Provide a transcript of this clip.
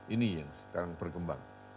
ini yang sekarang berkembang